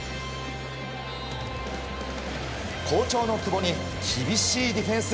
好調の久保に厳しいディフェンス。